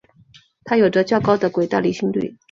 它有着较高的轨道离心率。